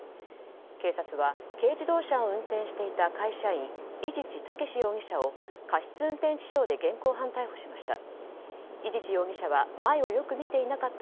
警察は軽自動車を運転していた会社員伊地知健容疑者を過失運転致傷で現行犯逮捕しました。